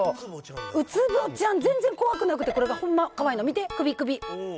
ウツボちゃん、全然怖くなくて、これがほんま、かわいいの、見て、首、首。